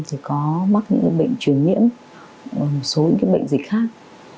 thì có mắc những bệnh truyền nhiễm và một số những bệnh dịch khác